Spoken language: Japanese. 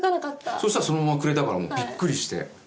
そしたらそのままくれたからもうビックリして。